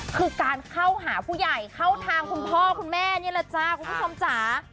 คือการเข้าหาผู้ใหญ่เข้าทางคุณพ่อคุณแม่นี่แหละจ้าคุณผู้ชมจ๋า